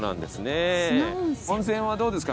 温泉はどうですか？